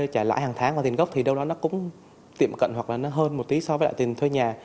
trả lãi hàng tháng và tiền gốc thì đâu đó nó cũng tiệm cận hoặc là nó hơn một tí so với lại tiền thuê nhà